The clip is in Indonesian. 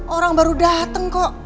orang baru dateng kok